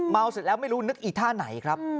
เสร็จแล้วไม่รู้นึกอีท่าไหนครับ